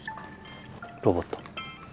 ロボット。